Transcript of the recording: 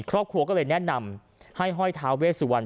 ครอบครัวก็เลยแนะนำให้ห้อยท้าเวสวรรณ